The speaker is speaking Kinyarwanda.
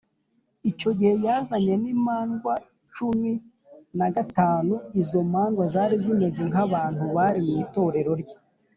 Icyo gihe yazanye n’imandwa cumin a gatanu, izo mandwa zari zimeze nk’abantu bari mu itorerero rye.